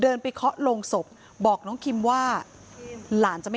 คุณยายบอกว่ารู้สึกเหมือนใครมายืนอยู่ข้างหลัง